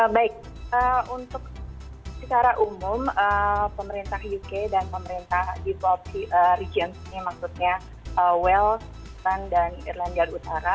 baik untuk secara umum pemerintah uk dan pemerintah di dua region ini maksudnya wales ireland dan irlandia utara